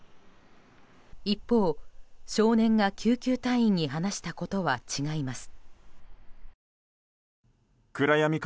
一方、少年が救急隊員に話したことは違います。